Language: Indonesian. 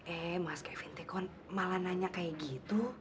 eh mas kevin teh kok malah nanya kayak gitu